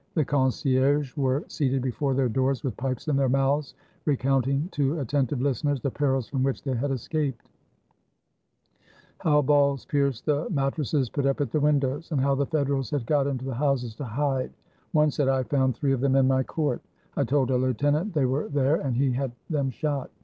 The con cierges were seated before their doors with pipes in their mouths, recounting to attentive listeners the perils from which they had escaped; how balls pierced the mat tresses put up at the windows, and how the Federals had got into the houses to hide. One said, "I found three of them in my court; I told a lieutenant they were there, and he had them shot.